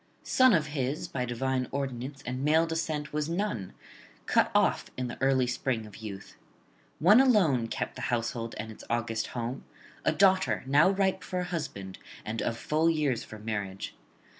Son of his, by divine ordinance, and male descent was none, cut off in the early spring of youth. One alone kept the household and its august home, a daughter now ripe for a husband and of full years for marriage.